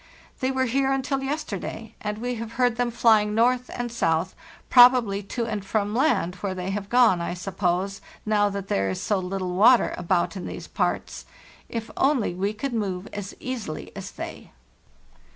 They were here until yesterday, and we have heard them flying north and south, probably to and from land, where they have gone, I suppose, now that there is so little water about in these parts. If only we could move as easily as they!